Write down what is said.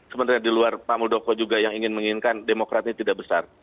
sebenarnya di luar pak muldoko juga yang ingin menginginkan demokrat ini tidak besar